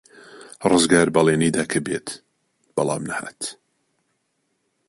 ڕزگار بەڵێنی دا کە بێت، بەڵام نەهات.